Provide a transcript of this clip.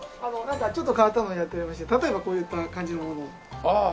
なんかちょっと変わったのやっておりまして例えばこういった感じのものを。